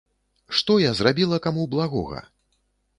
Што я зрабіла каму благога?